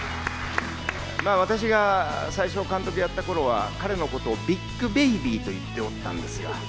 私が最初、監督やったときは、彼のことをビッグベイビーと言っておったんですよ。